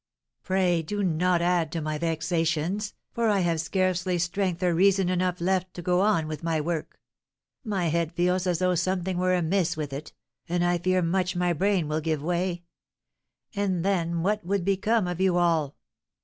Pray do not add to my vexations, for I have scarcely strength or reason enough left to go on with my work; my head feels as though something were amiss with it, and I fear much my brain will give way, and then what would become of you all?